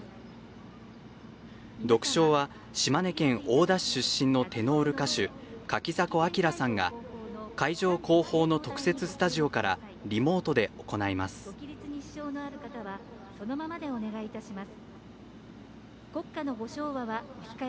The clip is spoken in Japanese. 独唱は、島根県大田市出身のテノール歌手柿迫秀さんが会場後方の特設スタジオからリモートで行います。